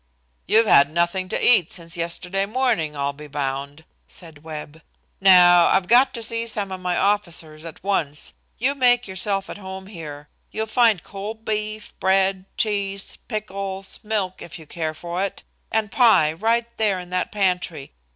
"You've had nothing to eat since yesterday morning, I'll be bound," said Webb. "Now, I've got to see some of my officers at once. You make yourself at home here. You'll find cold beef, bread, cheese, pickles, milk, if you care for it, and pie right there in the pantry.